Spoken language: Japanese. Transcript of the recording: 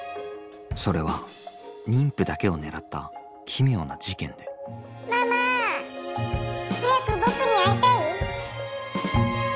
それは妊婦だけを狙った奇妙な事件で「ママ早く僕に会いたい？」。